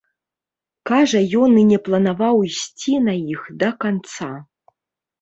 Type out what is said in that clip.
Кажа, ён і не планаваў ісці на іх да канца.